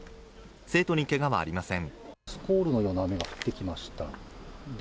生徒にけがはありません。